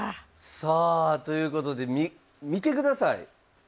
さあということで見てください。